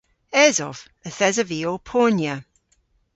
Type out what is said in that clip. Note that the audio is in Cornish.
Esov. Yth esov vy ow ponya.